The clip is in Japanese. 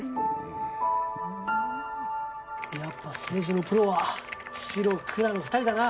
やっぱ政治のプロは「城」「蔵」の２人だな。